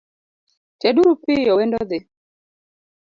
Ted uru piyo wendo dhi.